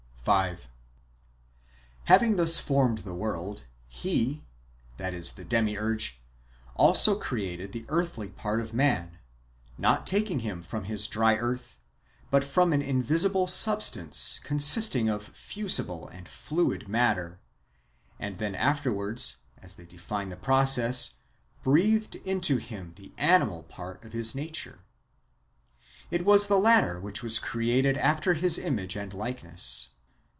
5. Having thus formed the world, he (the Demiurge) also created the earthy [part of] man, not taking him from this dry earth, but from an invisible substance consisting of fusible and fluid matter, and then afterwards, as they define the process, breathed into him the animal part of his nature. It was this latter which was created after his image and like ness.